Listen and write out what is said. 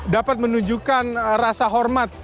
dapat menunjukkan rasa hormat